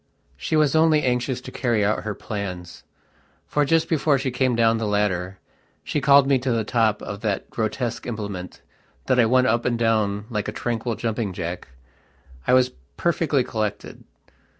She was only anxious to carry out her plans. For, just before she came down the ladder, she called me to the top of that grotesque implement that I went up and down like a tranquil jumping jack. I was perfectly collected.